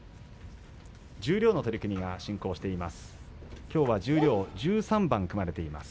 十両の取組が進行しています。